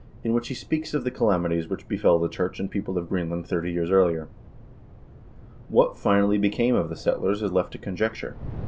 20, 1448,1 in which he speaks of the calamities which befell the church and people of Greenland thirty years earlier. What, finally, became of the settlers is left to conjecture.